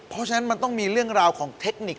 เพราะฉะนั้นมันต้องมีเรื่องราวของเทคนิค